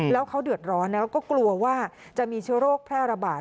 แล้วเขาเดือดร้อนนะแล้วก็กลัวว่าจะมีเชื้อโรคแพร่ระบาด